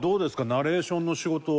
ナレーションの仕事は。